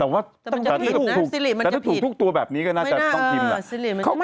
แต่ถ้าถูกทุกตัวแบบนี้ก็น่าจะต้องพิมพ์